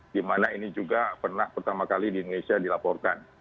di mana ini juga pernah pertama kali di indonesia dilaporkan